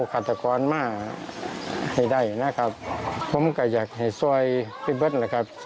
เพราะว่าเร็วหน่อยนี่ทองก็๒คนอาจารย์นะครับ